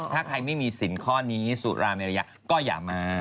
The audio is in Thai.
ถ้าใครไม่มีสินข้อนี้สุราเมริยะก็อย่ามา